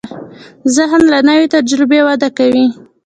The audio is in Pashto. ذهن له نوې تجربې وده کوي.